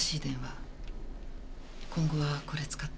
今後はこれ使って。